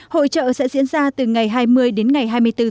hội trợ sẽ diễn ra từ ngày hai mươi đến ngày hai mươi tám